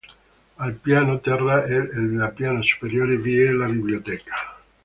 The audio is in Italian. Al piano terra ed al piano superiore vi è la biblioteca.